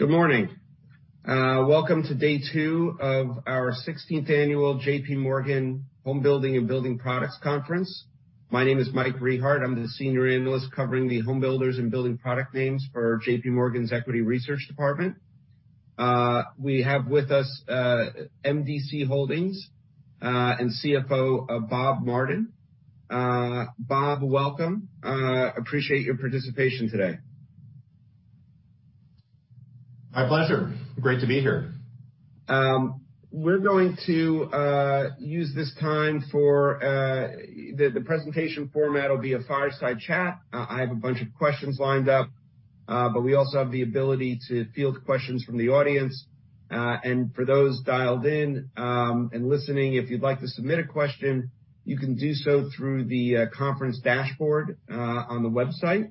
Good morning. Welcome to day two of our 16th annual JPMorgan Homebuilding and Building Products Conference. My name is Michael Rehaut. I'm the senior analyst covering the homebuilders and building product names for JPMorgan's Equity Research department. We have with us, MDC Holdings and CFO, Bob Martin. Bob, welcome, appreciate your participation today. My pleasure. Great to be here. We're going to use this time for. The presentation format will be a fireside chat. I have a bunch of questions lined up, but we also have the ability to field questions from the audience. For those dialed in and listening, if you'd like to submit a question, you can do so through the conference dashboard on the website.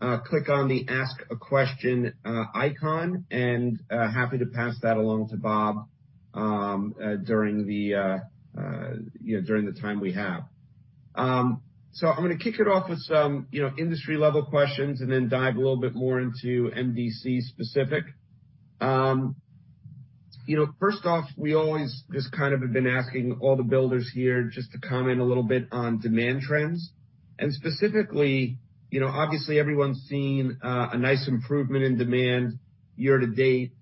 Click on the Ask A Question icon, and happy to pass that along to Bob during the, you know, during the time we have. I'm gonna kick it off with some, you know, industry-level questions and then dive a little bit more into MDC specific. You know, first off, we always just kind of have been asking all the builders here just to comment a little bit on demand trends. Specifically, you know, obviously everyone's seen a nice improvement in demand year to date.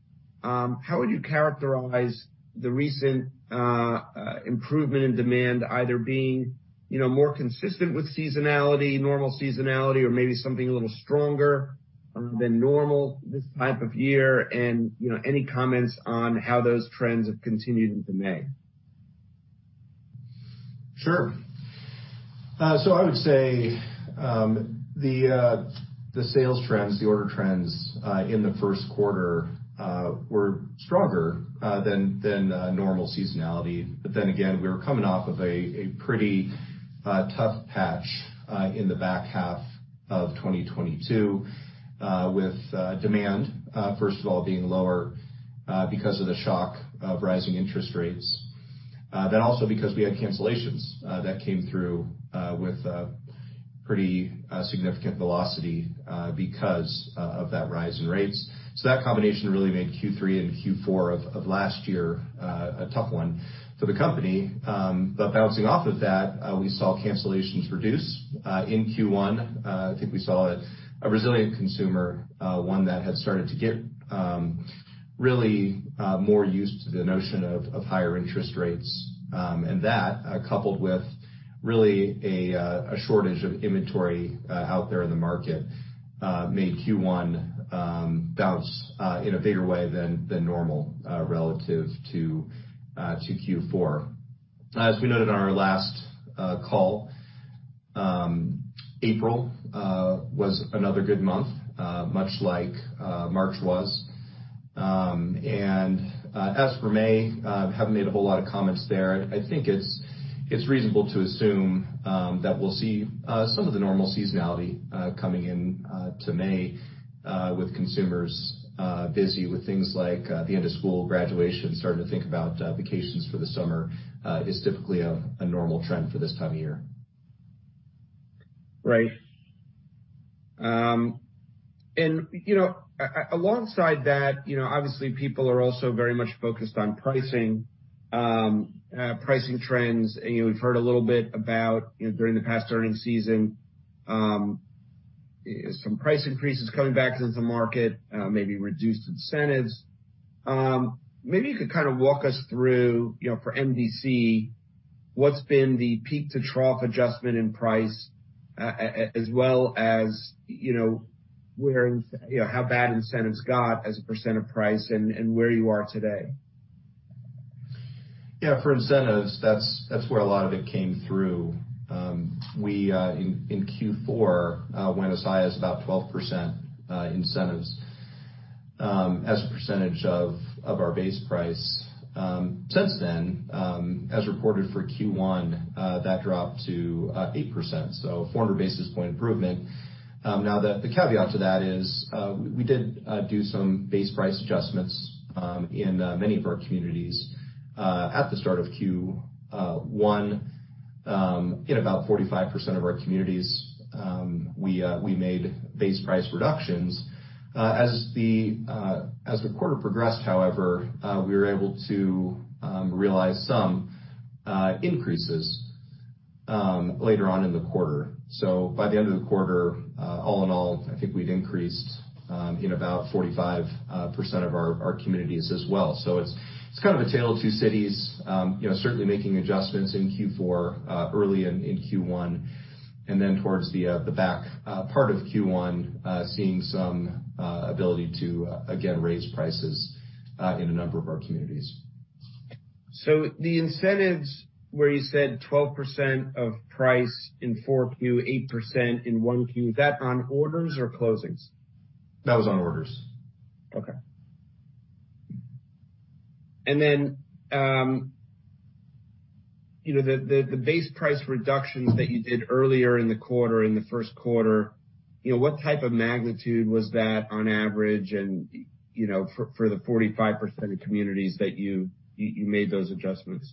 How would you characterize the recent improvement in demand, either being, you know, more consistent with seasonality, normal seasonality, or maybe something a little stronger than normal this time of year? You know, any comments on how those trends have continued into May? Sure. I would say, the sales trends, the order trends, in the first quarter, were stronger than normal seasonality. We were coming off of a pretty tough patch in the back half of 2022, with demand, first of all, being lower because of the shock of rising interest rates. Also, because we had cancellations that came through with pretty significant velocity because of that rise in rates. That combination really made Q3 and Q4 of last year a tough one for the company. Bouncing off of that, we saw cancellations reduce in Q1. I think we saw a resilient consumer, one that had started to get really more used to the notion of higher interest rates. That,, coupled with really a shortage of inventory out there in the market, made Q1 bounce in a bigger way than normal relative to Q4. As we noted on our last call, April was another good month, much like March was. As for May, haven't made a whole lot of comments there. I think it's reasonable to assume that we'll see some of the normal seasonality coming in to May with consumers busy with things like the end of school, graduation, starting to think about vacations for the summer, is typically a normal trend for this time of year. Right. You know, alongside that, you know, obviously, people are also very much focused on pricing trends. You know, we've heard a little bit about, you know, during the past earning season, some price increases coming back into the market, maybe reduced incentives. Maybe you could kind of walk us through, you know, for MDC, what's been the peak to trough adjustment in price, as well as, you know, where you know, how bad incentives got as a percentage of price and where you are today? Yeah. For incentives, that's where a lot of it came through. We in Q4 went as high as about 12% incentives as a percentage of our base price. Since then, as reported for Q1, that dropped to 8%, so a 400 basis point improvement. The caveat to that is we did do some base price adjustments in many of our communities at the start of Q1. In about 45% of our communities, we made base price reductions. As the quarter progressed, however, we were able to realize some increases later on in the quarter. By the end of the quarter, all in all, I think we've increased in about 45% of our communities as well. It's, it's kind of a tale of two cities. You know, certainly making adjustments in Q4, early in Q1, and then towards the back part of Q1, seeing some ability to again, raise prices in a number of our communities. The incentives where you said 12% of price in 4Q, 8% in 1Q, is that on orders or closings? That was on orders. Okay. You know, the base price reductions that you did earlier in the quarter, in the first quarter, you know, what type of magnitude was that on average and, you know, for the 45% of communities that you made those adjustments?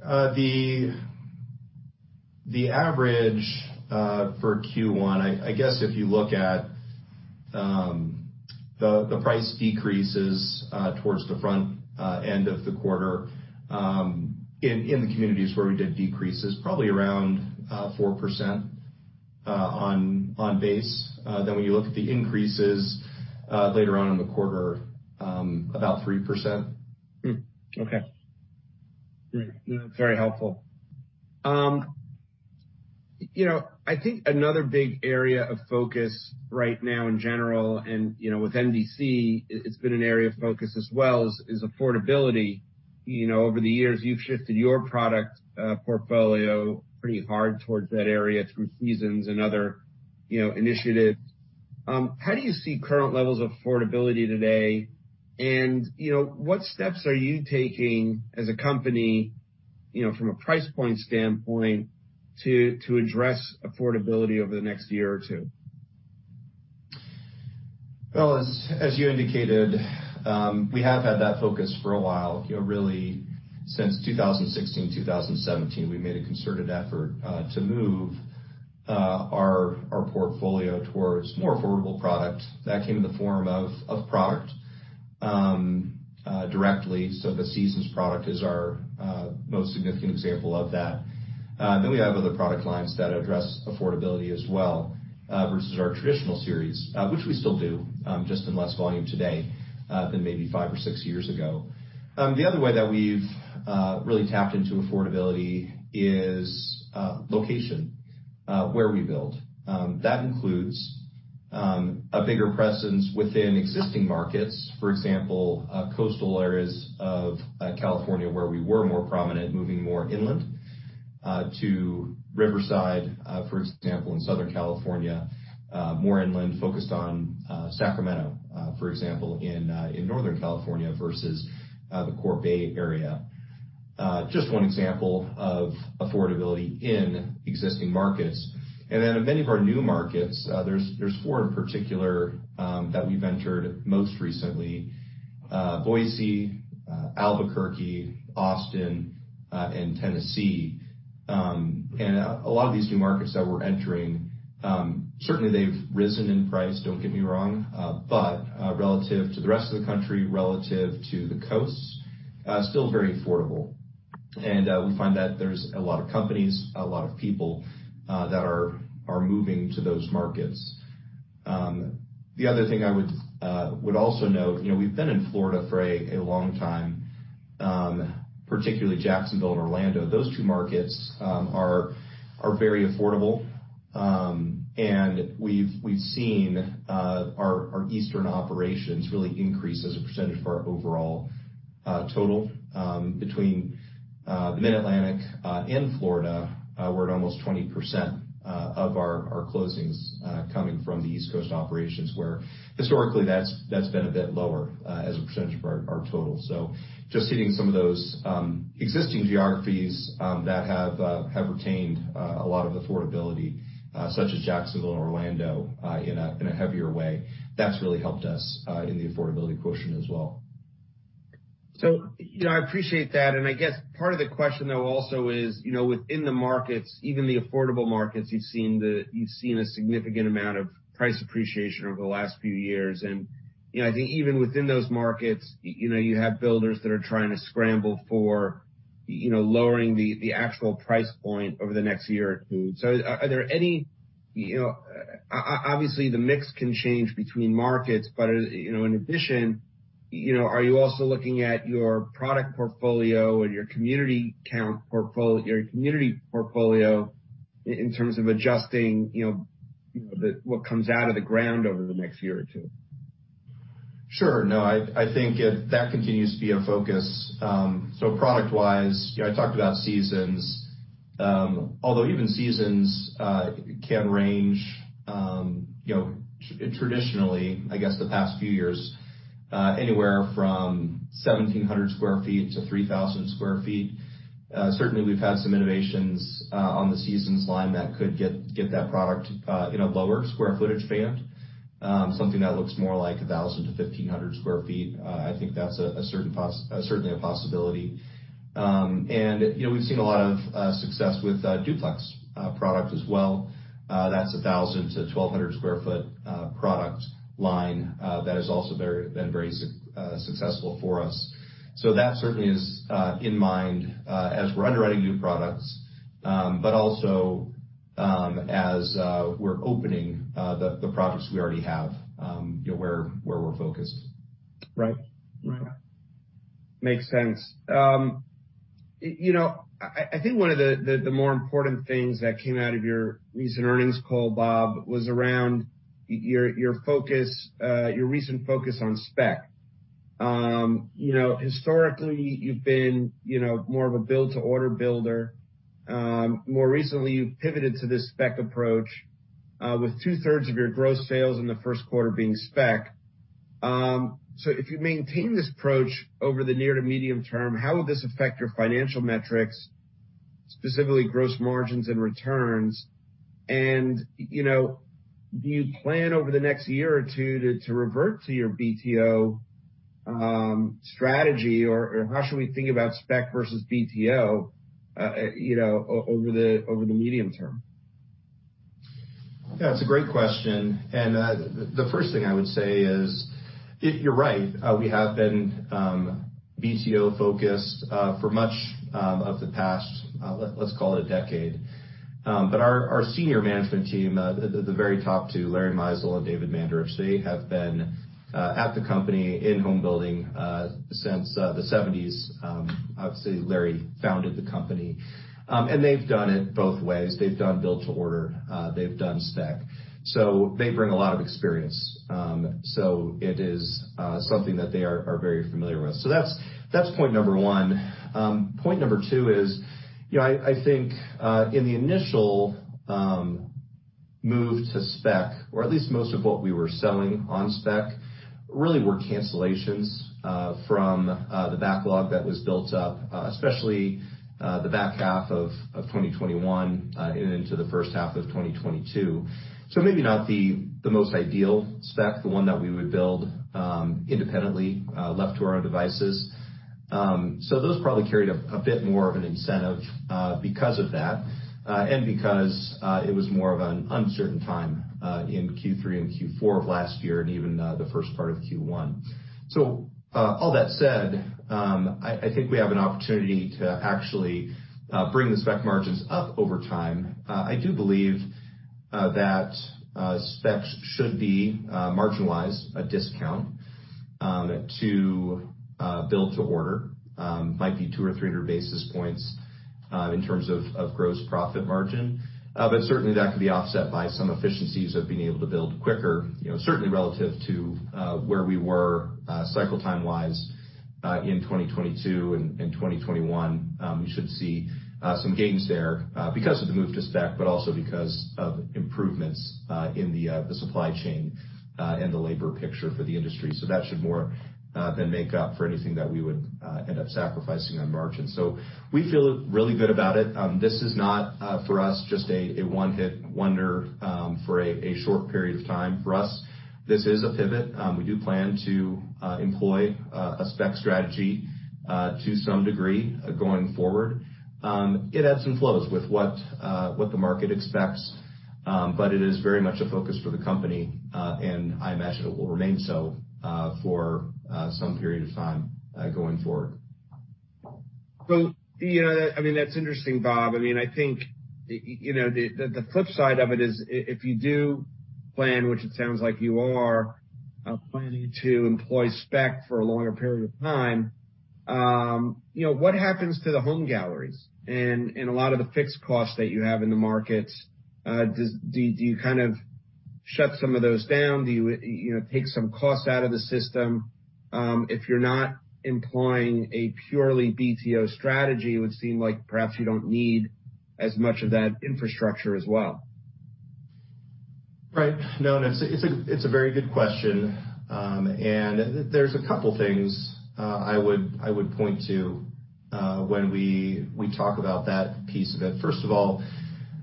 The average for Q1, I guess if you look at the price decreases towards the front end of the quarter, in the communities where we did decreases probably around 4% on base. When you look at the increases later on in the quarter, about 3%. Okay. Great. Very helpful. You know, I think another big area of focus right now in general and, you know, with MDC, it's been an area of focus as well, is affordability. You know, over the years, you've shifted your product portfolio pretty hard towards that area through Seasons and other, you know, initiatives. How do you see current levels of affordability today? You know, what steps are you taking as a company, you know, from a price point standpoint, to address affordability over the next year or two? Well, as you indicated, we have had that focus for a while. You know, really since 2016, 2017, we made a concerted effort to move our portfolio towards more affordable product. That came in the form of product directly. The Seasons product is our most significant example of that. We have other product lines that address affordability as well versus our traditional series, which we still do just in less volume today than maybe five or six years ago. The other way that we've really tapped into affordability is location where we build. That includes a bigger presence within existing markets, for example, coastal areas of California, where we were more prominent, moving more inland, to Riverside, for example, in Southern California, more inland, focused on Sacramento, for example, in Northern California versus the core Bay Area. Just one example of affordability in existing markets. Then in many of our new markets, there's four in particular that we've entered most recently, Boise, Albuquerque, Austin, and Tennessee. A lot of these new markets that we're entering, certainly they've risen in price, don't get me wrong, but relative to the rest of the country, relative to the coasts, still very affordable. We find that there's a lot of companies, a lot of people that are moving to those markets. The other thing I would also note, you know, we've been in Florida for a long time, particularly Jacksonville and Orlando. Those two markets are very affordable. We've seen our eastern operations really increase as a percentage of our overall total. Between the mid-Atlantic and Florida, we're at almost 20% of our closings coming from the East Coast operations, where historically that's been a bit lower as a percentage of our total. Just hitting some of those existing geographies that have retained a lot of affordability, such as Jacksonville and Orlando, in a heavier way. That's really helped us in the affordability quotient as well. You know, I appreciate that, and I guess part of the question though also is, you know, within the markets, even the affordable markets, you've seen a significant amount of price appreciation over the last few years. You know, I think even within those markets, you know, you have builders that are trying to scramble for, you know, lowering the actual price point over the next year or two. Are there any, you know... Obviously, the mix can change between markets, but, you know, in addition, you know, are you also looking at your product portfolio or your community count or your community portfolio in terms of adjusting, you know, the, what comes out of the ground over the next year or two? Sure. No, I think that continues to be a focus. Product-wise, you know, I talked about Seasons. Even Seasons can range, you know, traditionally, I guess, the past few years, anywhere from 1,700-3,000 sq ft. Certainly, we've had some innovations on the Seasons line that could get that product in a lower square footage band. Something that looks more like a 1,000-1,500 sq ft. I think that's a certain possibility. You know, we've seen a lot of success with duplex product as well. That's a 1,000-1,200 sq ft product line that has also been very successful for us. That certainly is in mind as we're underwriting new products, but also as we're opening the products we already have, you know, where we're focused. Right. Makes sense. You know, I think one of the more important things that came out of your recent earnings call, Bob, was around your focus, your recent focus on spec. You know, historically, you've been, you know, more of a build-to-order builder. More recently, you've pivoted to this spec approach, with two-thirds of your gross sales in the first quarter being spec. If you maintain this approach over the near to medium term, how will this affect your financial metrics? Specifically, gross margins and returns. You know, do you plan over the next year or two to revert to your BTO strategy? Or how should we think about spec versus BTO over the medium term? Yeah, it's a great question. The first thing I would say is you're right. We have been BTO-focused for much of the past, let's call it a decade. Our senior management team, the very top two, Larry Mizel and David Mandarich, they have been at the company in home building since the 1970s. Obviously, Larry founded the company. They've done it both ways. They've done build-to-order, they've done spec. They bring a lot of experience. It is something that they are very familiar with. That's point number one. Point number two is, you know, I think, in the initial move to spec, or at least most of what we were selling on spec, really were cancellations from the backlog that was built up, especially the back half of 2021 and into the first half of 2022. Maybe not the most ideal spec, the one that we would build independently, left to our own devices. Those probably carried a bit more of an incentive because of that, and because it was more of an uncertain time in Q3 and Q4 of last year and even the first part of Q1. All that said, I think we have an opportunity to actually bring the spec margins up over time. I do believe that specs should be marginalized, a discount to build to order. Might be 200 or 300 basis points in terms of gross profit margin. Certainly, that could be offset by some efficiencies of being able to build quicker, you know, certainly relative to where we were cycle time-wise in 2022 and 2021. You should see some gains there because of the move to spec, but also because of improvements in the supply chain and the labor picture for the industry. That should more than make up for anything that we would end up sacrificing on margins. We feel really good about it. This is not for us, just a one-hit wonder for a short period of time. For us, this is a pivot. We do plan to employ a spec strategy to some degree going forward. It ebbs and flows with what the market expects. It is very much a focus for the company, and I imagine it will remain so for some period of time going forward. You know, I mean, that's interesting, Bob. I mean, I think, you know, the flip side of it is if you do plan, which it sounds like you are, planning to employ spec for a longer period of time, you know, what happens to the Home Galleries and a lot of the fixed costs that you have in the markets? Do you kind of shut some of those down? Do you know, take some costs out of the system? If you're not employing a purely BTO strategy, it would seem like perhaps you don't need as much of that infrastructure as well. Right. No, it's a very good question. There's a couple things I would point to when we talk about that piece of it. First of all,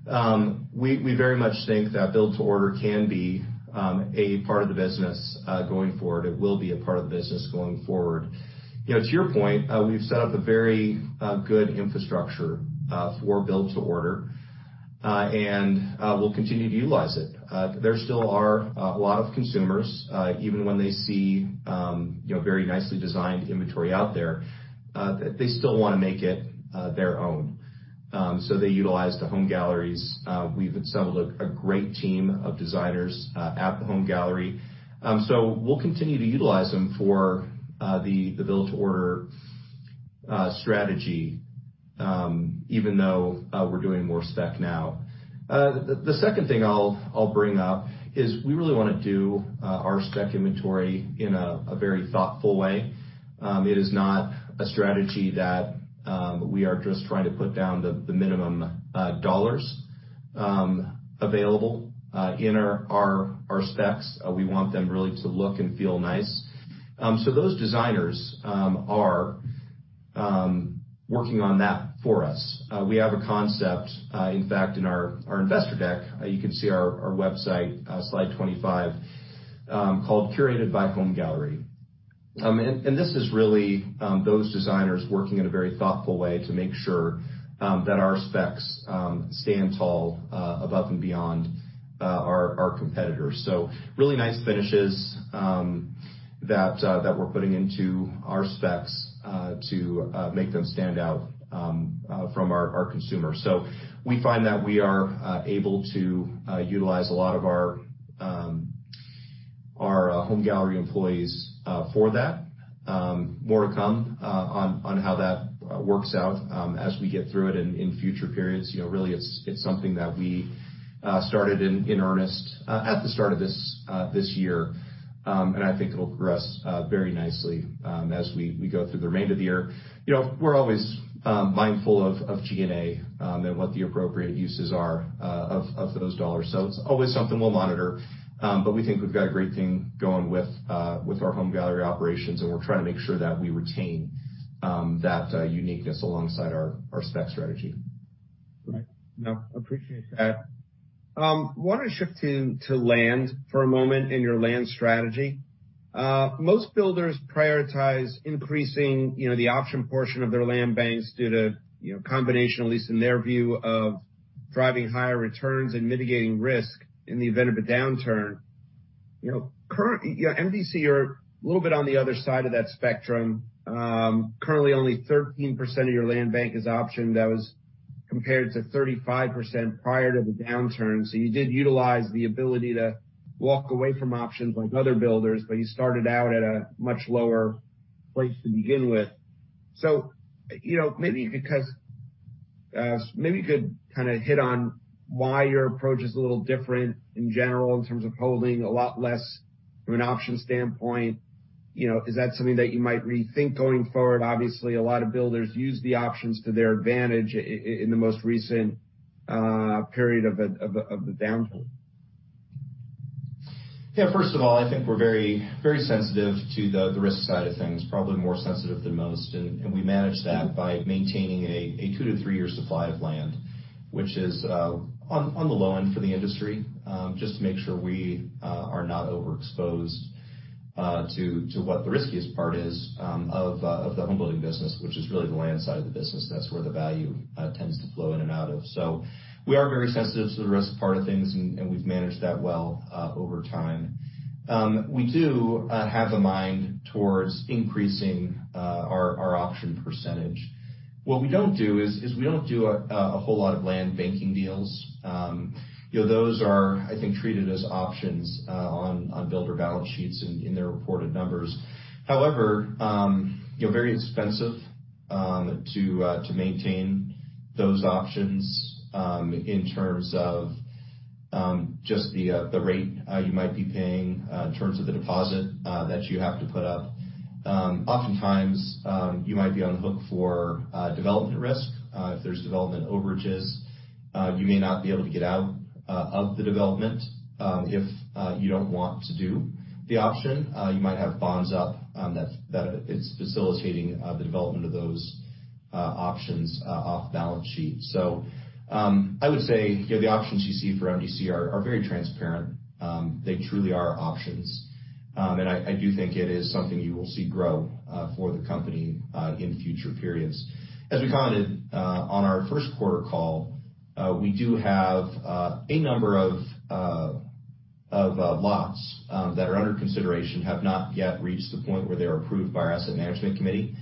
we very much think that build-to-order can be a part of the business going forward. It will be a part of the business going forward. You know, to your point, we've set up a very good infrastructure for build-to-order, and we'll continue to utilize it. There still are alot of consumers, even when they see, you know, very nicely designed inventory out there, they still wanna make it their own. They utilize the Home Galleries. We've assembled a great team of designers at the Home Gallery. We'll continue to utilize them for the build to order strategy, even though we're doing more spec now. The second thing I'll bring up is we really wanna do our spec inventory in a very thoughtful way. It is not a strategy that we are just trying to put down the minimum dollars available in our specs. We want them really to look and feel nice. Those designers are working on that for us. We have a concept, in fact, in our investor deck, you can see our website, slide 25, called Curated by Home Gallery. This is really, those designers working in a very thoughtful way to make sure that our specs stand tall above and beyond our competitors. Really nice finishes that we're putting into our specs to make them stand out from our consumers. We find that we are able to utilize a lot of our Home Gallery employees for that. More to come on how that works out as we get through it in future periods. You know, really, it's something that we started in earnest at the start of this year. I think it'll progress very nicely as we go through the remainder of the year. You know, we're always mindful of G&A and what the appropriate uses are of those dollars. It's always something we'll monitor. We think we've got a great thing going with our Home Gallery operations, and we're trying to make sure that we retain that uniqueness alongside our spec strategy. Right. No, appreciate that. Want to shift to land for a moment and your land strategy. Most builders prioritize increasing, you know, the option portion of their land banks due to, you know, combination, at least in their view, of driving higher returns and mitigating risk in the event of a downturn. You know, MDC, you're a little bit on the other side of that spectrum. Currently, only 13% of your land bank is optioned. That was compared to 35% prior to the downturn. You did utilize the ability to walk away from options like other builders, but you started out at a much lower place to begin with. You know, maybe you could kind of hit on why your approach is a little different in general in terms of holding a lot less from an option standpoint. You know, is that something that you might rethink going forward? Obviously, a lot of builders use the options to their advantage in the most recent period of the downfall. First of all, I think we're very, very sensitive to the risk side of things, probably more sensitive than most. We manage that by maintaining a two-three-year supply of land, which is on the low end for the industry, just to make sure we are not overexposed to what the riskiest part is of the homebuilding business, which is really the land side of the business. That's where the value tends to flow in and out of. We are very sensitive to the risk part of things, and we've managed that well over time. We do have a mind towards increasing our option percentage. What we don't do is we don't do a whole lot of land banking deals. You know, those are, I think, treated as options on builder balance sheets in their reported numbers. However, you know, very expensive to maintain those options in terms of just the rate you might be paying in terms of the deposit that you have to put up. Oftentimes, you might be on the hook for development risk. If there's development overages, you may not be able to get out of the development. If you don't want to do the option, you might have bonds up that it's facilitating the development of those options off-balance sheet. I would say, you know, the options you see for MDC are very transparent. They truly are options. I do think it is something you will see grow for the company in future periods. As we commented on our first quarter call, we do have a number of lots that are under consideration have not yet reached the point where they are approved by our Asset Management Committee.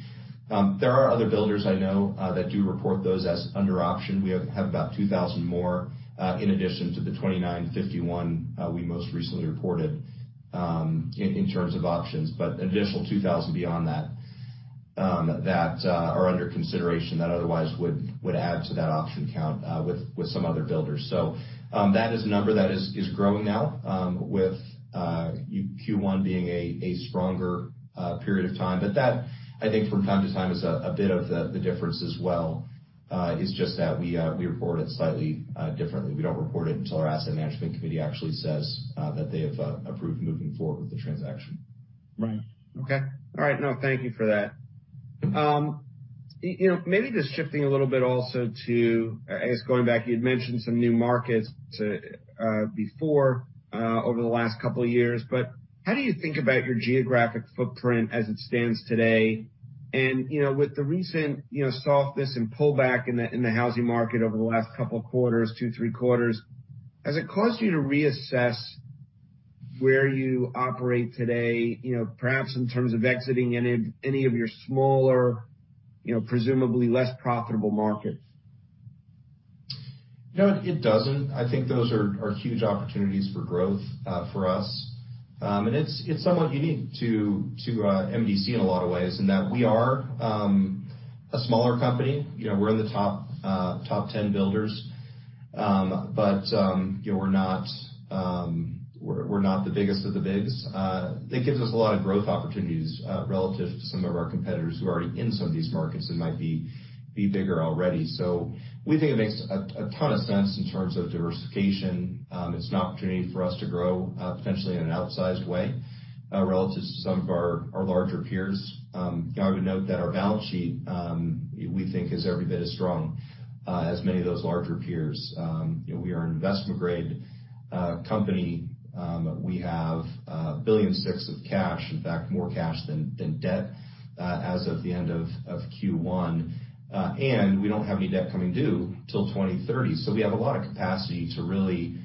There are other builders I know that do report those as under option. We have about 2,000 more in addition to the 2,951 we most recently reported in terms of options, but an additional 2,000 beyond that that are under consideration that otherwise would add to that option count with some other builders. That is a number that is growing now, with Q1 being a stronger period of time. That, I think from time to time is a bit of the difference as well, is just that we report it slightly differently. We don't report it until our Asset Management Committee actually says that they have approved moving forward with the transaction. Right. Okay. All right. No, thank you for that. You know, maybe just shifting a little bit also to, I guess, going back, you'd mentioned some new markets, before, over the last couple of years, but how do you think about your geographic footprint as it stands today? You know, with the recent, you know, softness and pullback in the, in the housing market over the last couple of quarters, two, three quarters, has it caused you to reassess where you operate today? You know, perhaps in terms of exiting any of your smaller, you know, presumably less profitable markets? No, it doesn't. I think those are huge opportunities for growth, for us. It's somewhat unique to MDC in a lot of ways in that we are a smaller company. You know, we're in the top 10 builders. You know, we're not, we're not the biggest of the bigs. That gives us a lot of growth opportunities, relative to some of our competitors who are already in some of these markets and might be bigger already. We think it makes a ton of sense in terms of diversification. It's an opportunity for us to grow, potentially in an outsized way, relative to some of our larger peers. You know, I would note that our balance sheet, we think, is every bit as strong as many of those larger peers. You know, we are an investment-grade company. We have $1.6 billion of cash, in fact, more cash than debt as of the end of Q1. We don't have any debt coming due till 2030. we have a lot of capacity to really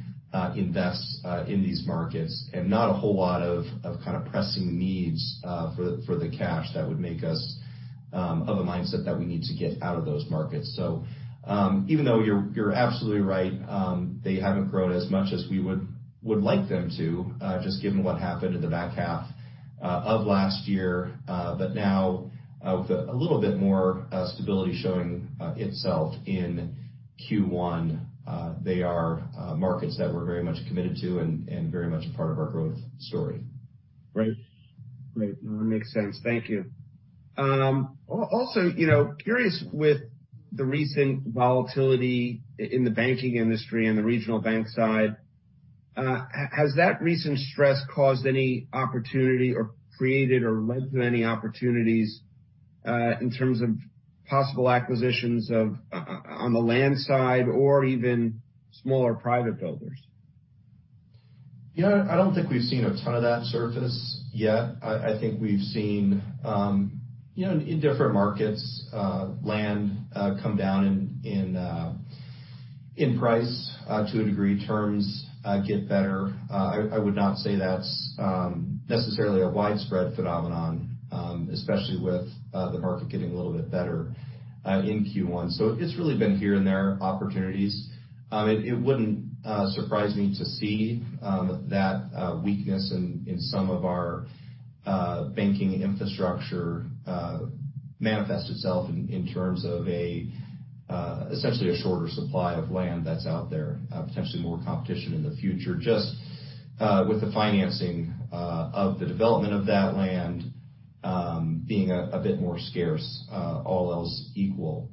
invest in these markets and not a whole lot of kind of pressing needs for the cash that would make us of a mindset that we need to get out of those markets. Even though you're absolutely right, they haven't grown as much as we would like them to, just given what happened in the back half of last year. Now with a little bit more stability showing itself in Q1, they are markets that we're very much committed to and very much a part of our growth story. Great. No, that makes sense. Thank you. Also, you know, curious with the recent volatility in the banking industry and the regional bank side. Has that recent stress caused any opportunity or created or led to any opportunities, in terms of possible acquisitions of, on the land side or even smaller private builders? Yeah, I don't think we've seen a ton of that surface yet. I think we've seen, you know, in different markets, land, come down in price, to a degree, terms, get better. I would not say that's necessarily a widespread phenomenon, especially with the market getting a little bit better, in Q1. It's really been here and there opportunities. It wouldn't surprise me to see that weakness in some of our banking infrastructure manifest itself in terms of essentially a shorter supply of land that's out there, potentially more competition in the future, just with the financing of the development of that land being a bit more scarce, all else equal,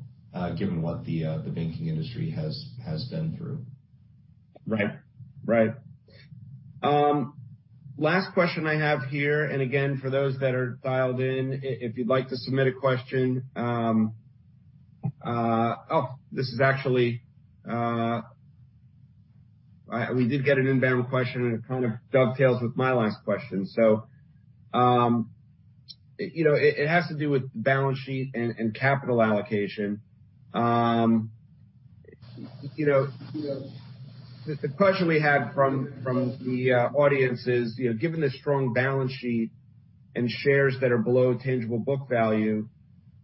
given what the banking industry has been through. Right. Last question I have here, and again, for those that are dialed in, if you'd like to submit a question, this is actually, we did get an inbound question, and it kind of dovetails with my last question. You know, it has to do with balance sheet and capital allocation. You know, the question we had from the audience is, you know, given the strong balance sheet and shares that are below tangible book value,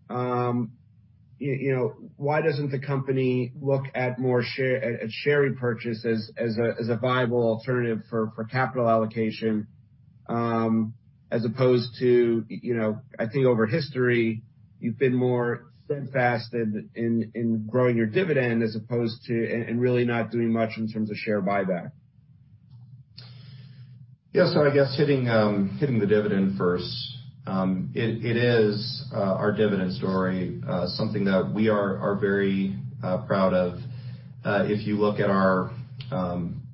you know, why doesn't the company look at share repurchases as a viable alternative for capital allocation, as opposed to, you know, I think over history you've been more steadfast in growing your dividend as opposed to really not doing much in terms of share buyback. Yeah. I guess hitting the dividend first. It is our dividend story, something that we are very proud of. If you look at our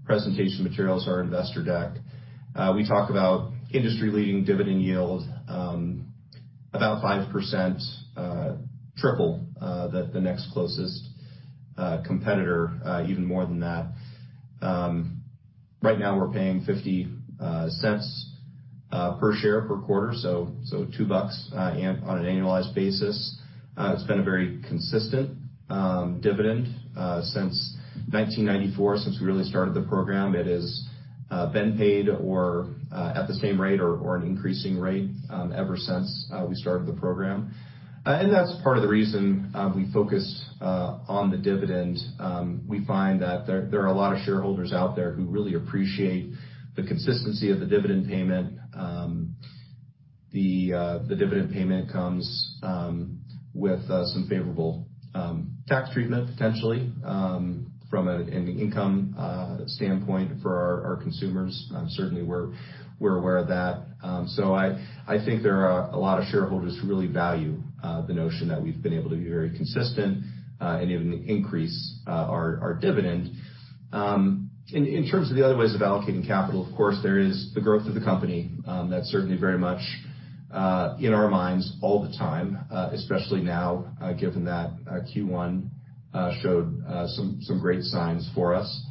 presentation materials, our investor deck, we talk about industry-leading dividend yield, about 5%, triple the next closest competitor, even more than that. Right now we're paying $0.50 per share per quarter, so $2 on an annualized basis. It's been a very consistent dividend since 1994. Since we really started the program, it has been paid, or at the same rate or an increasing rate ever since we started the program. That's part of the reason we focus on the dividend. We find that there are a lot of shareholders out there who really appreciate the consistency of the dividend payment. The dividend payment comes with some favorable tax treatment potentially from an income standpoint for our consumers. Certainly, we're aware of that. I think there are a lot of shareholders who really value the notion that we've been able to be very consistent and even increase our dividend. In terms of the other ways of allocating capital, of course, there is the growth of the company. That's certainly very much in our minds all the time, especially now, given that Q1 showed some great signs for us.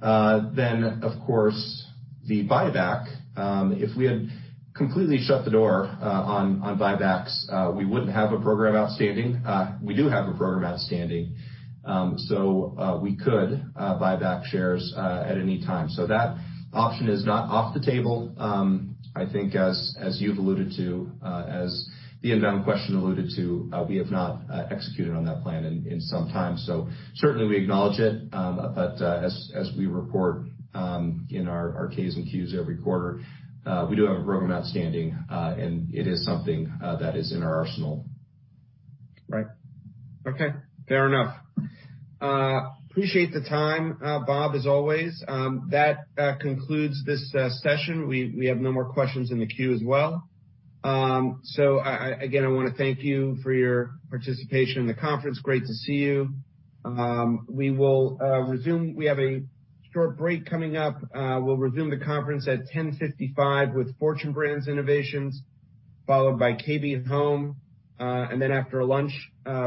Of course, the buyback. If we had completely shut the door on buybacks, we wouldn't have a program outstanding. We do have a program outstanding, so we could buy back shares at any time. That option is not off the table. I think as you've alluded to, as the inbound question alluded to, we have not executed on that plan in some time. Certainly, we acknowledge it. As we report in our K's and Q's every quarter, we do have a program outstanding. It is something that is in our arsenal. Right. Okay. Fair enough. Appreciate the time, Bob, as always. That concludes this session. We have no more questions in the queue as well. Again, I want to thank you for your participation in the conference. Great to see you. We will resume. We have a short break coming up. We'll resume the conference at 10:55 A.M. with Fortune Brands Innovations, followed by KB Home. After a lunch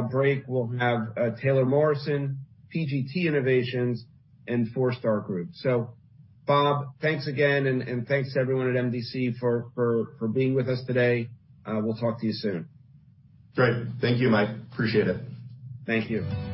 break, we'll have Taylor Morrison, PGT Innovations, and Forestar Group. Bob, thanks again, and thanks to everyone at MDC for being with us today. We'll talk to you soon. Great. Thank you, Mike. Appreciate it. Thank you.